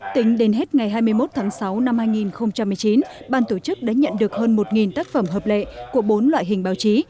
tính đến hết ngày hai mươi một tháng sáu năm hai nghìn một mươi chín ban tổ chức đã nhận được hơn một tác phẩm hợp lệ của bốn loại hình báo chí